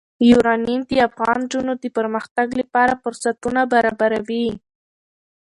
یورانیم د افغان نجونو د پرمختګ لپاره فرصتونه برابروي.